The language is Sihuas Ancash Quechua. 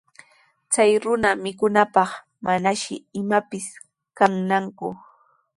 Chay runa mikunanpaq manashi imapis kannaku.